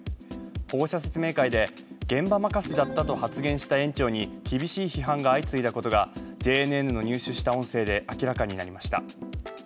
保護者説明会で、現場任せだったと発言した園長に厳しい批判が相次いだことがＪＮＮの入手した音声で明らかになりました。